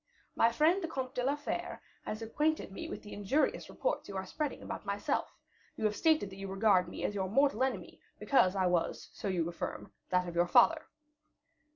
My friend, the Comte de la Fere, has acquainted me with the injurious reports you are spreading about myself. You have stated that you regard me as your mortal enemy, because I was, so you affirm, that of your father."